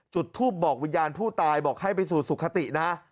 จุดทูปบอกวิญญาณผู้ตายบอกให้ไปสู่สุขตินะ